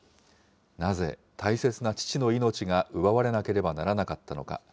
なぜ大切な父の命が奪われなければならなかったのか。